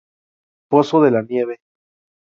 Pozo de la Nieve.